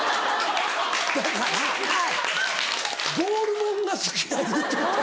だからボール物が好きや言うとった。